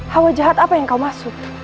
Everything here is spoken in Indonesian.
hawa jahat apa yang kau masuk